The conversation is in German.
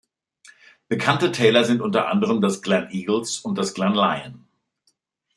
Bekannte Täler sind unter anderem das Gleneagles und das Glen Lyon.